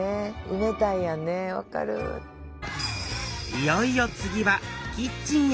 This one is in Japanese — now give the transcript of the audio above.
いよいよ次はキッチンへ！